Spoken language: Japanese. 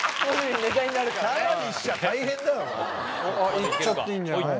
行っちゃっていいんじゃない。